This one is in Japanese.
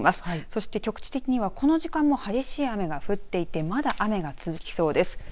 そして、局地的にはこの時間も激しい雨が降っていてまだ雨が続きそうです。